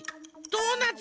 ドーナツ。